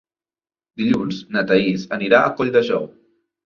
Dilluns na Thaís anirà a Colldejou.